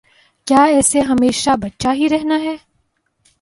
کیا اسے ہمیشہ بچہ ہی رہنا ہے؟